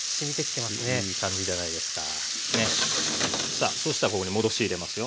さあそうしたらここに戻し入れますよ。